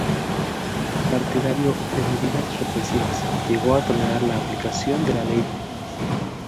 Partidario de medidas represivas, llegó a tolerar la aplicación de la ley de fugas.